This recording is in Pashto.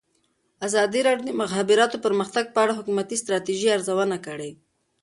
ازادي راډیو د د مخابراتو پرمختګ په اړه د حکومتي ستراتیژۍ ارزونه کړې.